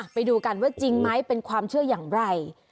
ไปดูกันว่าจริงไหมเป็นความเชื่ออย่างไร